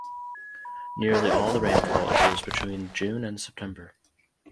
Nearly all the rainfall occurs between June and September.